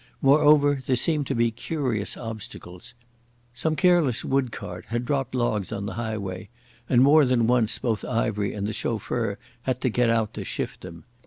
Moreover, there seemed to be curious obstacles. Some careless wood cart had dropped logs on the highway, and more than once both Ivery and the chauffeur had to get out to shift them.